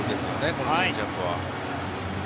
このチェンジアップは。